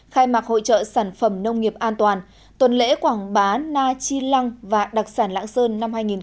khai mạc hội trợ sản phẩm nông nghiệp an toàn tuần lễ quảng bá na chi lăng và đặc sản lãng sơn năm hai nghìn hai mươi